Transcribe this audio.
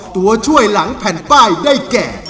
ตัวช่วยหลังแผ่นป้ายได้แก่